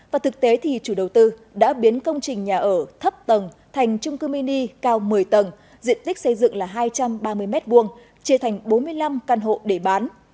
và thực tế thì chủ đầu tư đã biến công trình nhà ở thấp tầng thành trung cư mini cao một mươi tầng diện tích xây dựng là hai trăm ba mươi m hai chia thành bốn mươi năm căn hộ để bán